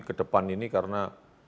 kedepan ini karena